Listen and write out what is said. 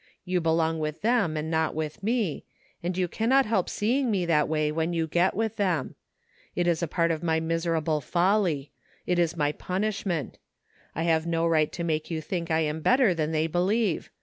You belong with them and not with me, and you cannot help seeing me that way when you get with them. It is a part of my miserable folly. It is my punishment I have no right to make you think I am better than they believe.